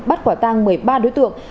bắt quả tăng một mươi ba đối tượng